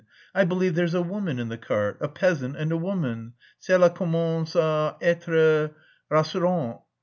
I believe there's a woman in the cart. A peasant and a woman, _cela commence à être rassurant.